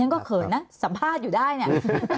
ก็เขินนะสัมภาษณ์อยู่ได้เนี่ย